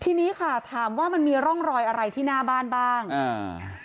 ทีนี้ค่ะถามว่ามันมีร่องรอยอะไรที่หน้าบ้านบ้างอ่า